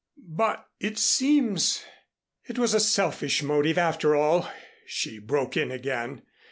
"But it seems " "It was a selfish motive after all," she broke in again.